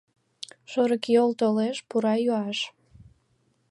Шорыкйол толеш пура йӱаш